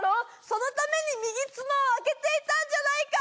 そのために右つのをあけていたんじゃないか！